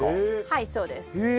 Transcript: はいそうです。へえ。